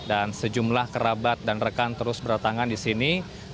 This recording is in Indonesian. dan sejumlah kerabat dan rekan terus berantakan di sini